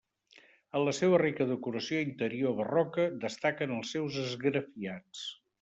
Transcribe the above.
En la seua rica decoració interior barroca, destaquen els seus esgrafiats.